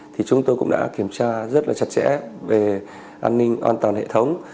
thì chúng tôi cũng đã kiểm tra rất là chặt chẽ về an ninh an toàn hệ thống